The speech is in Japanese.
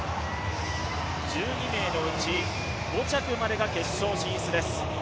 １２名のうち５着までが決勝進出です